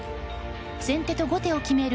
先手と後手を決める